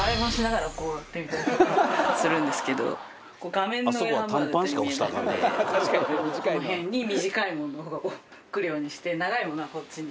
画面の上半分は全然見えないのでこの辺に短いものがくるようにして長いものはこっちに。